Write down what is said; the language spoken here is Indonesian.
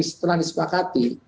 yang telah disepakati